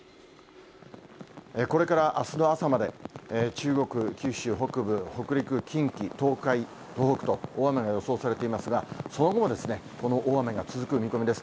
これからあすの朝まで、中国、九州北部、北陸、近畿、東海、東北と大雨が予想されていますが、その後もですね、この大雨が続く見込みです。